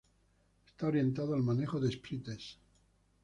Está orientado al manejo de sprites.